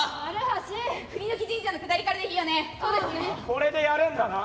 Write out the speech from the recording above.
これでやるんだな？